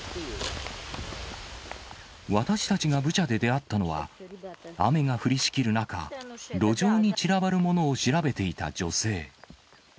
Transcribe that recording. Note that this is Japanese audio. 私たちがブチャで出会ったのは、雨が降りしきる中、路上に散らばるものを調べていた女性。